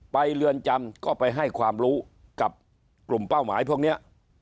เรือนจำก็ไปให้ความรู้กับกลุ่มเป้าหมายพวกนี้